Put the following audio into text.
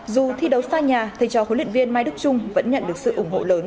dù thi đấu xa nhà thầy trò huấn luyện viên mai đức trung vẫn nhận được sự ủng hộ lớn